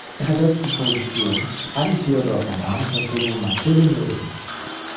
Ihre letzte Produktion war die Theodor Fontane-Verfilmung "Mathilde Möhring".